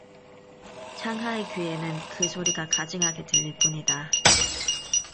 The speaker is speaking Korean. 창하의 귀에는 그 소리가 가증하게 들릴 뿐이다.